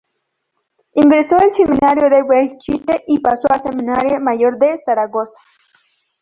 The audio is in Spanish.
Ingresó en el Seminario de Belchite y pasó al Seminario mayor de Zaragoza.